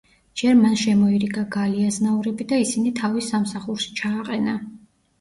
ჯერ მან შემოირიგა გალი აზნაურები და ისინი თავის სამსახურში ჩააყენა.